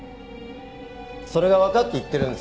それがわかって言ってるんですか？